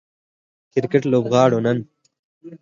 کرکټ لوبغاړو نن